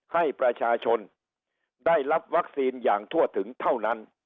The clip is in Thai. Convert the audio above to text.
ให้ประชาชนได้รับวัคซีนอย่างทั่วถึงเท่านั้น